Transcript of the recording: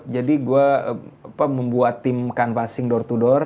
jadi gue membuat tim canvassing door to door